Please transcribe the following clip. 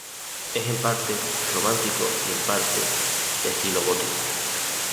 Es en parte románico y en parte de estilo gótico.